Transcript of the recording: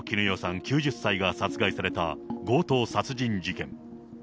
９０歳が殺害された強盗殺人事件。